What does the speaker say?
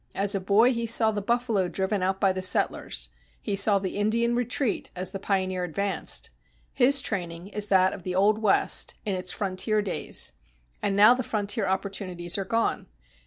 As a boy, he saw the buffalo driven out by the settlers; he saw the Indian retreat as the pioneer advanced. His training is that of the old West, in its frontier days. And now the frontier opportunities are gone.